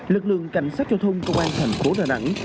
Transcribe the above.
lực lượng cảnh sát giao thông công an thành phố đà nẵng